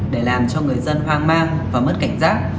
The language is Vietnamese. để làm cho người dân hoang mang và mất cảnh giác